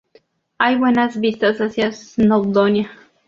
Hay buenas vistas hacia Snowdonia.